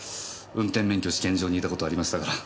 運転免許試験場にいた事ありましたから。